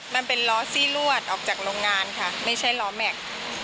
มันเป็นล้อซี่ลวดออกจากโรงงานค่ะไม่ใช่ล้อแม็กซ์